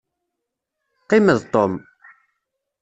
Qqim d Tom.